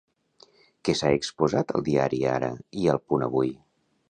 Què s'ha exposat al diari Ara i al Punt Avui?